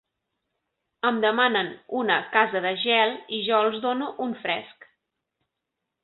Em demanen una casa de gel i jo els dono un fresc.